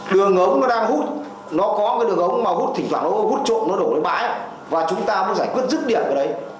đường ống nó đang hút nó có cái đường ống mà hút thỉnh thoảng nó hút trộn nó đổ lên bãi và chúng ta muốn giải quyết dứt điểm của đấy